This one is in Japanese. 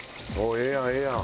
ええやんええやん。